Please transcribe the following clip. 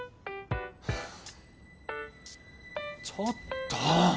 ちょっと！